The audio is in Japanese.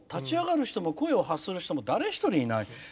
立ち上がる人も声を発する人も誰一人いない。